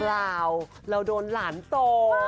เราเราโดนหลานโต